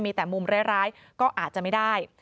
มีแต่มุมร้ายก็อาจจะไม่ได้